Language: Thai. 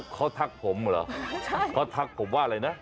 เขาทักผมเหรอเขาทักผมว่าอะไรนะ